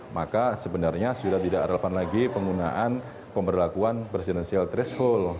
maka sebenarnya sudah tidak relevan lagi penggunaan pemberlakuan presiden sihal teresul